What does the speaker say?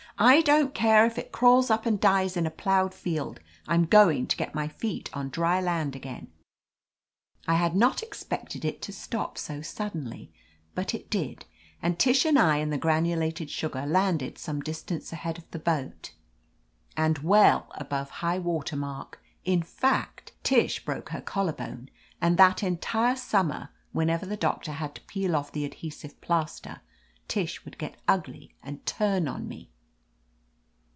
"I don't care if it crawls up and dies in a plowed field ; I'm going to ^et my feet on dry land again." I had not expected it to stop so suddenly, but it did, and Tish and I and the granulated sugar landed some distance ahead of the boat and 223 L_ THE AMAZING ADVENTURES well above high water mark; in fact, Tish broke her collar bone, and that entire summer, whenever the doctor had to peel off the ad hesive plaster, Tish would get ugly and turn on me.